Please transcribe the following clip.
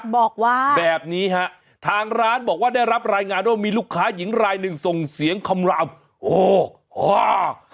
บอกว่าแบบนี้ฮะทางร้านบอกว่าได้รับรายงานว่ามีลูกค้าหญิงรายหนึ่งส่งเสียงคำรามโอ้อ่า